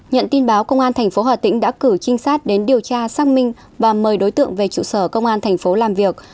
nhận tin báo công an tp hà tĩnh đã cử trinh sát đến điều tra xác minh và mời đối tượng về trụ sở công an thành phố làm việc